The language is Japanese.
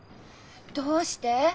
どうして？